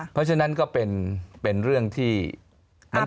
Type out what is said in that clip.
เพราะฉะนั้นก็เป็นเรื่องที่มันค้าง